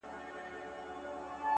دا چا ويله چي باڼه چي په زړه بد لگيږي!